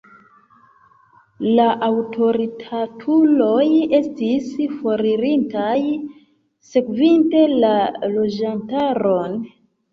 La aŭtoritatuloj estis foririntaj, sekvinte la loĝantaron.